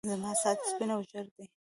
زما ساعت سپين او ژړ دی.